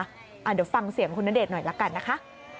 เดี๋ยวฟังเสียงคุณณเดชน์หน่อยละกันนะคะ